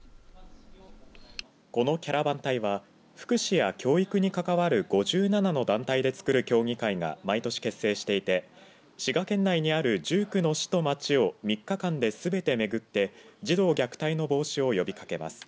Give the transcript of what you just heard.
このキャラバン隊は福祉や教育に関わる５７の団体でつくる協議会が毎年結成していて滋賀県内にある１９の市と町を３日間ですべて巡って児童虐待の防止を呼びかけます。